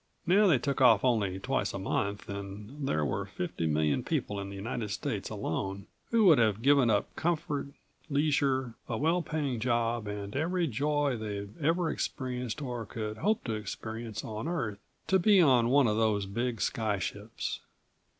Now they took off only twice a month and there were fifty million people in the United States alone who would have given up comfort, leisure, a well paying job and every joy they'd ever experienced or could hope to experience on Earth to be on one of those big sky ships.